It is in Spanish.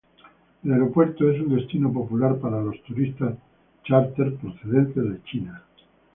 El aeropuerto es un destino popular para los turistas chárter procedentes de China.